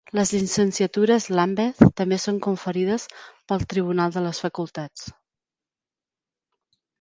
Les llicenciatures Lambeth també són conferides pel Tribunal de les Facultats.